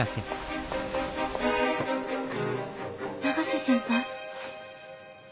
永瀬先輩？